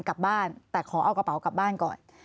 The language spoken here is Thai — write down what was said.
กลับบ้านแต่ขอเอากระเป๋ากลับบ้านก่อน